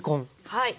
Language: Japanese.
はい。